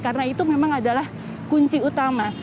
karena itu memang adalah kunci utama